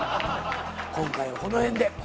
今回はこの辺で。